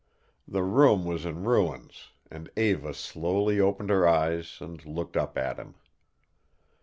The room was in ruins, and Eva slowly opened her eyes and looked up at him.